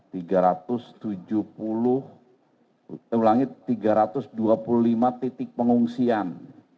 saya ulangi tiga ratus dua puluh lima titik pengungsian